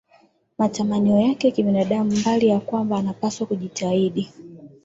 matamanio yake ya kibinadamu mbali ya kwamba anapaswa kujitahidi